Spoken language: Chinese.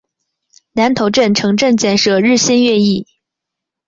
南头镇城镇建设日新月异。